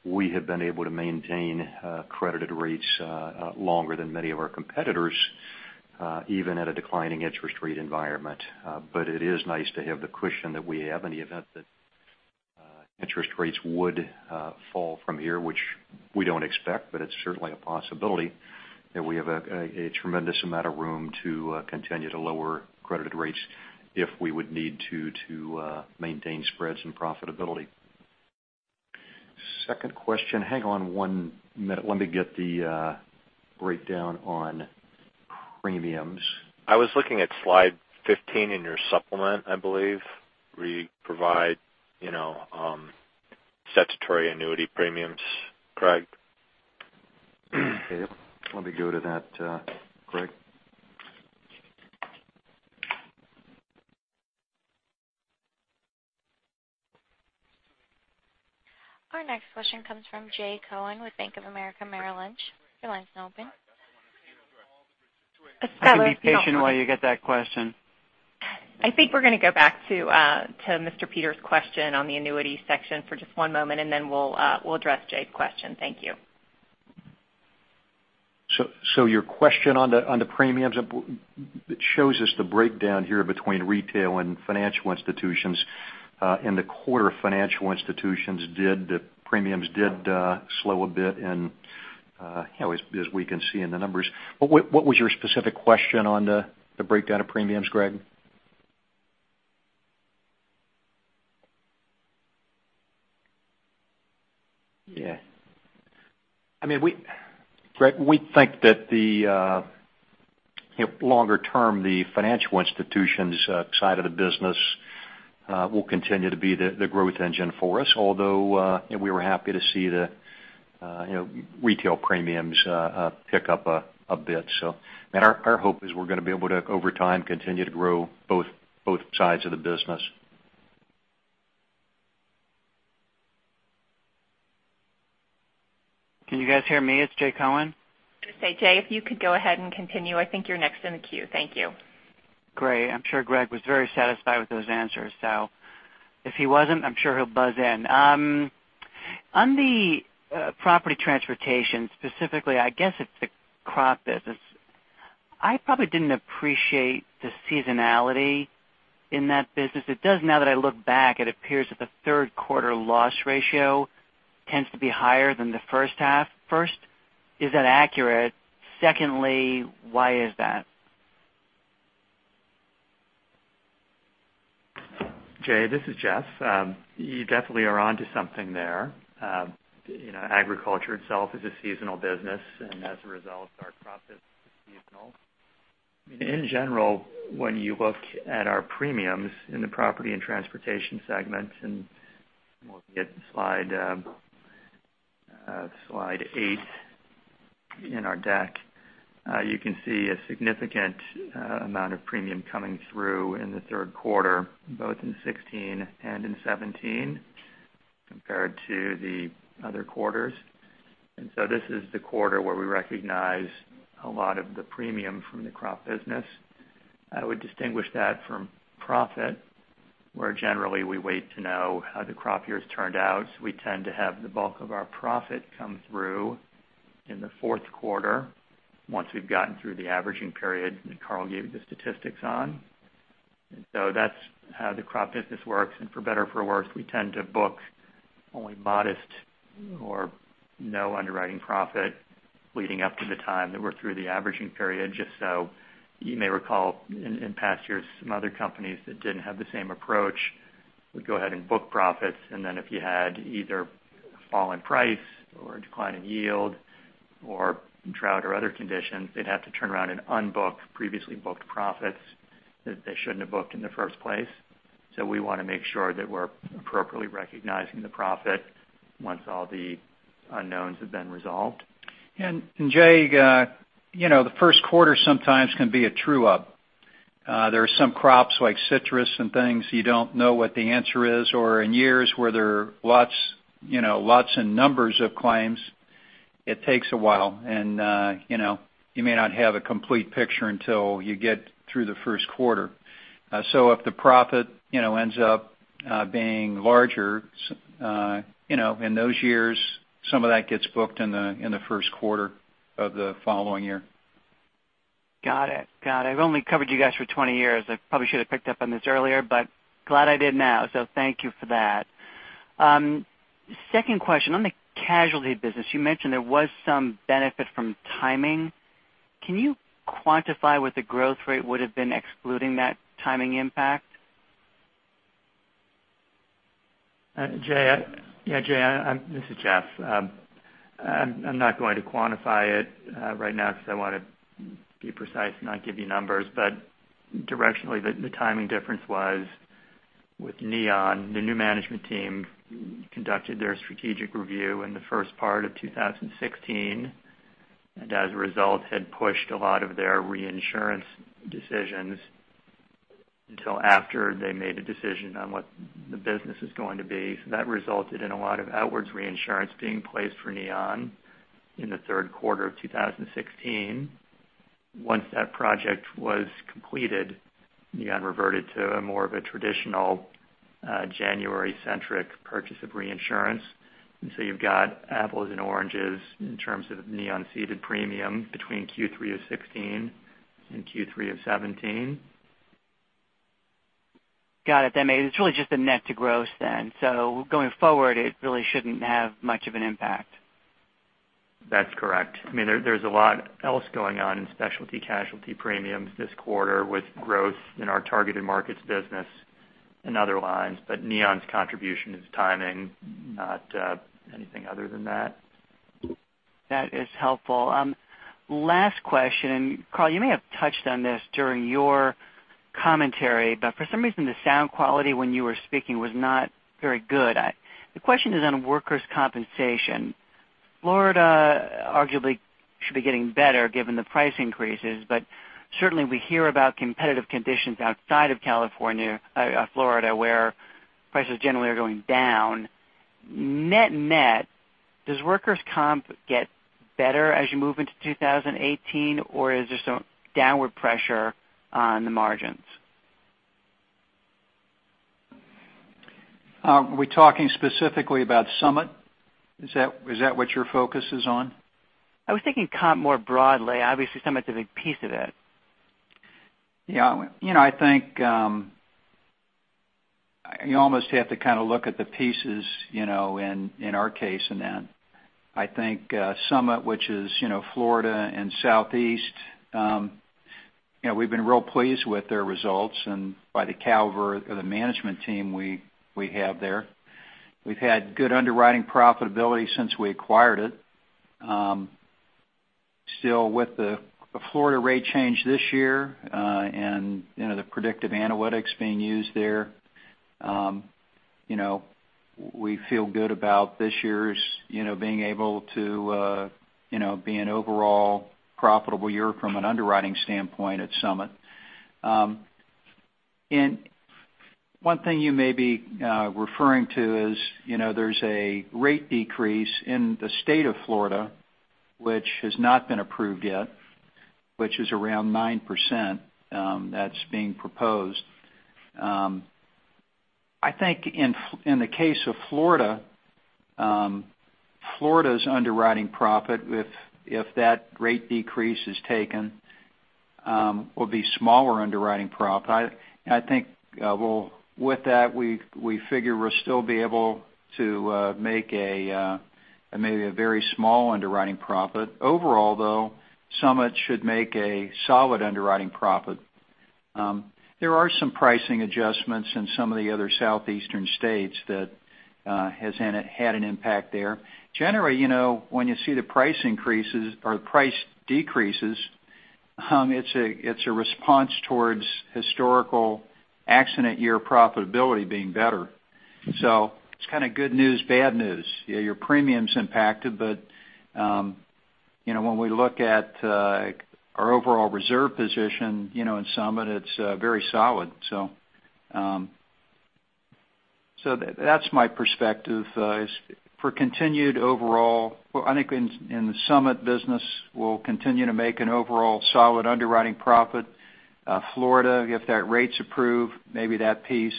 we have been able to maintain credited rates longer than many of our competitors, even at a declining interest rate environment. It is nice to have the cushion that we have in the event that interest rates would fall from here, which we don't expect, but it's certainly a possibility, that we have a tremendous amount of room to continue to lower credited rates if we would need to maintain spreads and profitability. Second question, hang on one minute. Let me get the breakdown on premiums. I was looking at slide 15 in your supplement, I believe, where you provide statutory annuity premiums, Craig. Okay. Let me go to that, Craig. Our next question comes from Jay Cohen with Bank of America Merrill Lynch. Your line's now open. I can be patient while you get that question. I think we're going to go back to Mr. Peters' question on the annuity section for just one moment, and then we'll address Jay's question. Thank you. Your question on the premiums, it shows us the breakdown here between retail and financial institutions. In the quarter, financial institutions, the premiums did slow a bit as we can see in the numbers. But what was your specific question on the breakdown of premiums, Greg? Yeah. Greg, we think that longer term, the financial institutions side of the business will continue to be the growth engine for us. Although, we were happy to see the retail premiums pick up a bit. Our hope is we're going to be able to, over time, continue to grow both sides of the business. Can you guys hear me? It's Jay Cohen. Jay, if you could go ahead and continue. I think you're next in the queue. Thank you. Great. I'm sure Greg was very satisfied with those answers. If he wasn't, I'm sure he'll buzz in. On the property transportation, specifically, I guess it's the crop business. I probably didn't appreciate the seasonality in that business. It does now that I look back, it appears that the third quarter loss ratio tends to be higher than the first half. First, is that accurate? Secondly, why is that? Jay, this is Jeff. You definitely are onto something there. Agriculture itself is a seasonal business, and as a result, our crop is seasonal. In general, when you look at our premiums in the property and transportation segments, and looking at slide eight in our deck, you can see a significant amount of premium coming through in the third quarter, both in 2016 and in 2017, compared to the other quarters. This is the quarter where we recognize a lot of the premium from the crop business. I would distinguish that from profit, where generally we wait to know how the crop year's turned out. We tend to have the bulk of our profit come through in the fourth quarter, once we've gotten through the averaging period that Carl gave the statistics on. That's how the crop business works. For better or for worse, we tend to book only modest or no underwriting profit leading up to the time that we're through the averaging period, just so you may recall in past years, some other companies that didn't have the same approach would go ahead and book profits, and then if you had either a fall in price or a decline in yield or drought or other conditions, they'd have to turn around and unbook previously booked profits that they shouldn't have booked in the first place. We want to make sure that we're appropriately recognizing the profit once all the unknowns have been resolved. Jay, the first quarter sometimes can be a true up. There are some crops like citrus and things you don't know what the answer is, or in years where there are lots and numbers of claims, it takes a while. You may not have a complete picture until you get through the first quarter. If the profit ends up being larger in those years, some of that gets booked in the first quarter of the following year. Got it. I've only covered you guys for 20 years. I probably should have picked up on this earlier, but glad I did now, so thank you for that. Second question, on the casualty business, you mentioned there was some benefit from timing. Can you quantify what the growth rate would have been excluding that timing impact? Jay, this is Jeff. I'm not going to quantify it right now because I want to be precise and not give you numbers. Directionally, the timing difference was with Neon. The new management team conducted their strategic review in the first part of 2016, and as a result, had pushed a lot of their reinsurance decisions until after they made a decision on what the business is going to be. That resulted in a lot of outwards reinsurance being placed for Neon in the third quarter of 2016. Once that project was completed, Neon reverted to more of a traditional January centric purchase of reinsurance. You've got apples and oranges in terms of Neon ceded premium between Q3 of 2016 and Q3 of 2017. Got it. That means it's really just a net to gross then. Going forward, it really shouldn't have much of an impact. That's correct. There's a lot else going on in specialty casualty premiums this quarter with growth in our targeted markets business and other lines. Neon's contribution is timing, not anything other than that. That is helpful. Last question, Carl, you may have touched on this during your commentary, for some reason, the sound quality when you were speaking was not very good. The question is on workers' compensation. Florida arguably should be getting better given the price increases, certainly we hear about competitive conditions outside of Florida, where prices generally are going down. Net net, does workers' comp get better as you move into 2018, or is there some downward pressure on the margins? Are we talking specifically about Summit? Is that what your focus is on? I was thinking comp more broadly. Obviously, Summit's a big piece of it. Yeah. I think you almost have to kind of look at the pieces in our case. I think Summit, which is Florida and Southeast, we've been real pleased with their results and by the caliber of the management team we have there. We've had good underwriting profitability since we acquired it. Still with the Florida rate change this year and the predictive analytics being used there, we feel good about this year being able to be an overall profitable year from an underwriting standpoint at Summit. One thing you may be referring to is there's a rate decrease in the state of Florida, which has not been approved yet, which is around 9% that's being proposed. I think in the case of Florida's underwriting profit, if that rate decrease is taken, will be smaller underwriting profit. I think with that, we figure we'll still be able to make maybe a very small underwriting profit. Overall, though, Summit should make a solid underwriting profit. There are some pricing adjustments in some of the other southeastern states that has had an impact there. Generally, when you see the price decreases, it's a response towards historical accident year profitability being better. It's kind of good news, bad news. Your premium's impacted, but when we look at our overall reserve position in Summit, it's very solid. That's my perspective. For continued overall, I think in the Summit business, we'll continue to make an overall solid underwriting profit. Florida, if that rate's approved, maybe that piece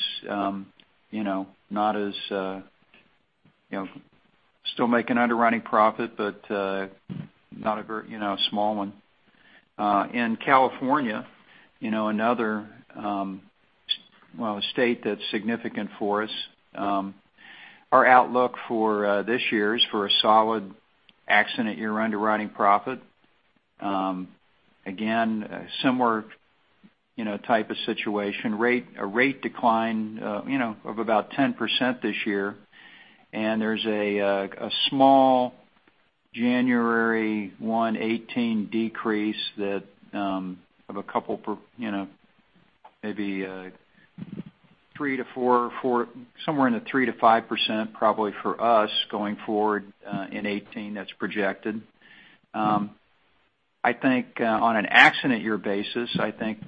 still make an underwriting profit, but a small one. In California, another state that's significant for us, our outlook for this year is for a solid accident year underwriting profit. Again, similar type of situation. A rate decline of about 10% this year, there's a small January 1, 2018 decrease of maybe somewhere in the 3%-5%, probably for us going forward in 2018 that's projected. On an accident year basis, I think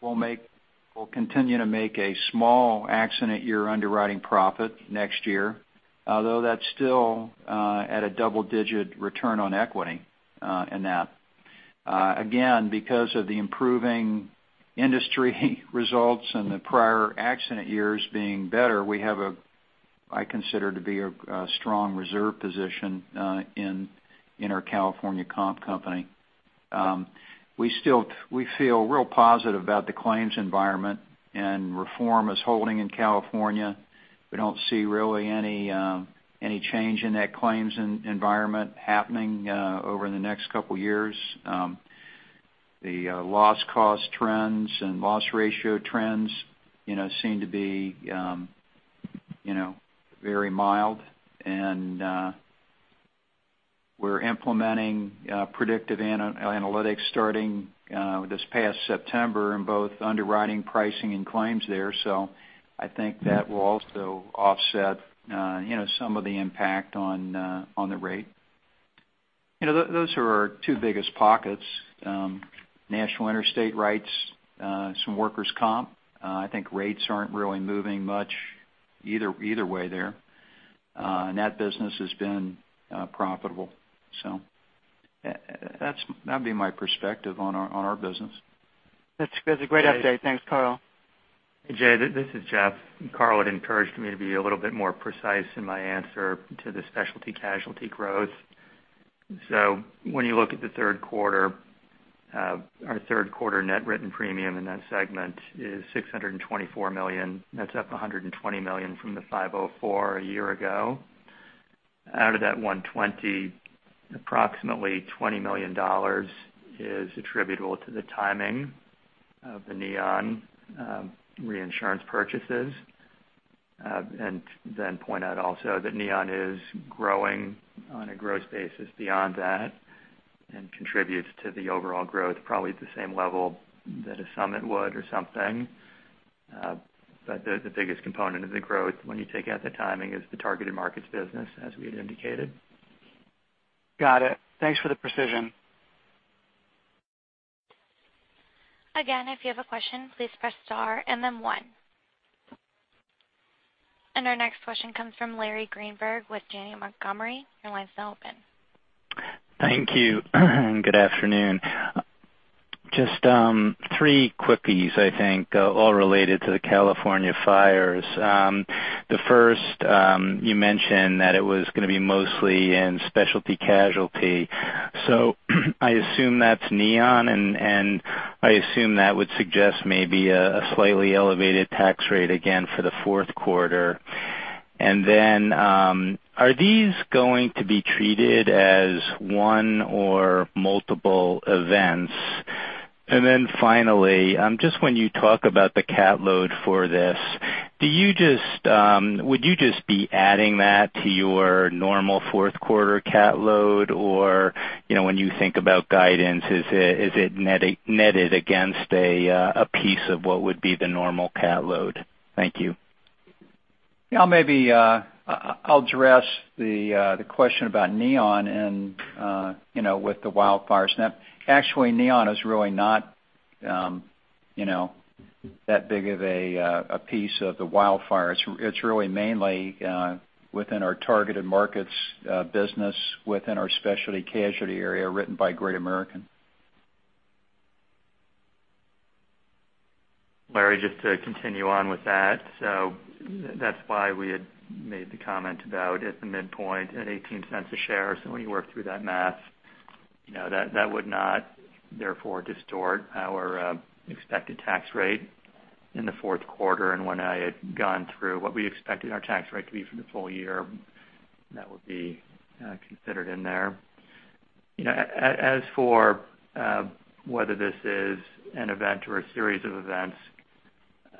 we'll continue to make a small accident year underwriting profit next year, although that's still at a double digit return on equity in that. Again, because of the improving industry results and the prior accident years being better, we have what I consider to be a strong reserve position in our California comp company. We feel real positive about the claims environment, reform is holding in California. We don't see really any change in that claims environment happening over the next couple of years. The loss cost trends and loss ratio trends seem to be very mild. We're implementing predictive analytics starting this past September in both underwriting pricing and claims there. I think that will also offset some of the impact on the rate. Those are our two biggest pockets. National Interstate writes some workers' comp. I think rates aren't really moving much either way there. That business has been profitable. That'd be my perspective on our business. That's a great update. Thanks, Carl. Jay, this is Jeff. Carl had encouraged me to be a little bit more precise in my answer to the specialty casualty growth. When you look at the third quarter, our third quarter net written premium in that segment is $624 million. That's up $120 million from the $504 a year ago. Out of that $120, approximately $20 million is attributable to the timing of the Neon reinsurance purchases. Point out also that Neon is growing on a gross basis beyond that and contributes to the overall growth, probably at the same level that a Summit would or something. The biggest component of the growth, when you take out the timing, is the targeted markets business, as we had indicated. Got it. Thanks for the precision. Again, if you have a question, please press star and then one. Our next question comes from Larry Greenberg with Janney Montgomery. Your line's now open. Thank you. Good afternoon. Just three quickies, I think, all related to the California fires. The first, you mentioned that it was going to be mostly in specialty casualty. I assume that's Neon. I assume that would suggest maybe a slightly elevated tax rate again for the fourth quarter. Are these going to be treated as one or multiple events? Finally, just when you talk about the cat load for this, would you just be adding that to your normal fourth quarter cat load? When you think about guidance, is it netted against a piece of what would be the normal cat load? Thank you. Yeah, maybe I'll address the question about Neon and with the wildfires. Actually, Neon is really not that big of a piece of the wildfires. It's really mainly within our targeted markets business within our specialty casualty area written by Great American. Larry, just to continue on with that. That's why we had made the comment about at the midpoint, at $0.18 a share. When you work through that math, that would not therefore distort our expected tax rate in the fourth quarter. When I had gone through what we expected our tax rate to be for the full year, that would be considered in there. As for whether this is an event or a series of events,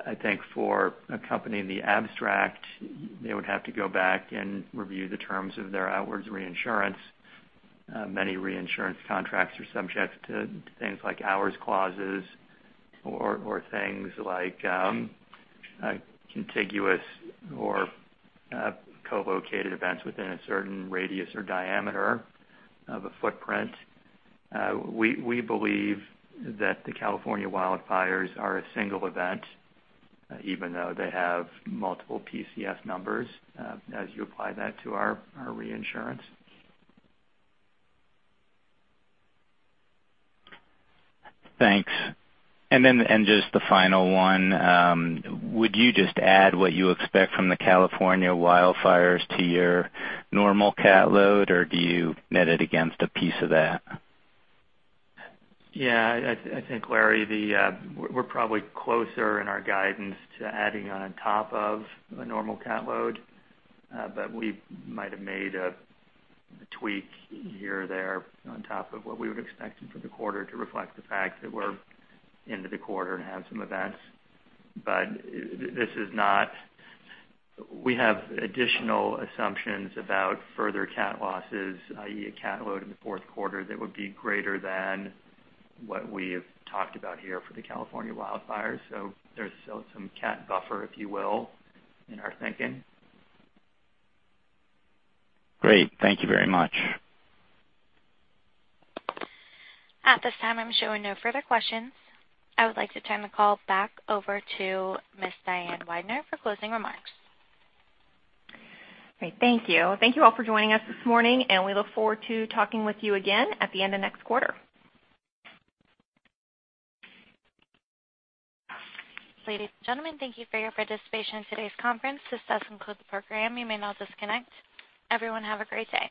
I think for a company in the abstract, they would have to go back and review the terms of their outwards reinsurance. Many reinsurance contracts are subject to things like hours clauses or things like contiguous or co-located events within a certain radius or diameter of a footprint. We believe that the California Wildfires are a single event, even though they have multiple PCS numbers as you apply that to our reinsurance. Thanks. Just the final one, would you just add what you expect from the California Wildfires to your normal cat load, or do you net it against a piece of that? Yeah. I think, Larry, we're probably closer in our guidance to adding on top of a normal cat load. We might have made a tweak here or there on top of what we would have expected for the quarter to reflect the fact that we're into the quarter and have some events. We have additional assumptions about further cat losses, i.e., a cat load in the fourth quarter that would be greater than what we have talked about here for the California Wildfires. There's still some cat buffer, if you will, in our thinking. Great. Thank you very much. At this time, I'm showing no further questions. I would like to turn the call back over to Ms. Diane Weidner for closing remarks. Great. Thank you. Thank you all for joining us this morning. We look forward to talking with you again at the end of next quarter. Ladies and gentlemen, thank you for your participation in today's conference. This does conclude the program. You may now disconnect. Everyone have a great day.